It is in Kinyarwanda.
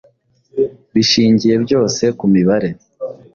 bishingiye byose ku mibare